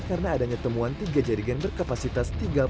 karena adanya temuan tiga jaringan berkapasitas tiga puluh lima liter